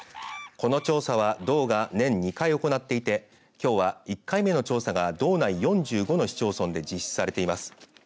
この調査は道が年２回行っていてきょうは１回目の調査が道内４５の市町村で実施されています。